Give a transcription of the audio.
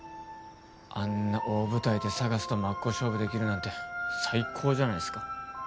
あんな大舞台でＳＡＧＡＳと真っ向勝負できるなんて最高じゃないですか